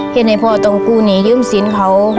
เห็นพ่อต้องกูนี้เยื่อมสิญของเขา